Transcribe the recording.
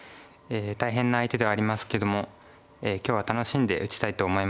大変な相手ではありますけども今日は楽しんで打ちたいと思います。